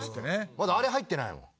まだあれ入ってないもん。